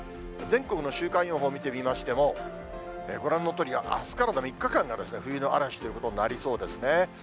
全国の週間予報、見てみましても、ご覧のとおり、あすからの３日間が冬の嵐ということになりそうですね。